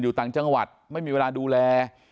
ต่างจังหวัดไม่มีเวลาดูแล